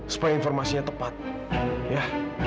supaya informasinya tepat ya